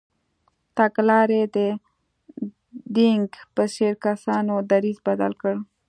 تګلارې د دینګ په څېر کسانو دریځ بدل کړ.